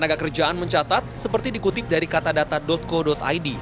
tenaga kerjaan mencatat seperti dikutip dari katadata co id